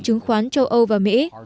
chứng khoán châu âu và mỹ